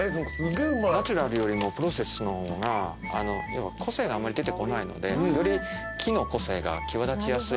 ナチュラルよりもプロセスの方が個性があまり出てこないのでより木の個性が際立ちやすい。